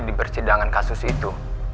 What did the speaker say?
di persidangan kasus itu